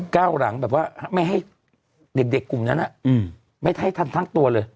ก้าวหลังแบบว่าไม่ให้เด็กกลุ่มนั้นไม่ให้ทันทั้งตัวเลย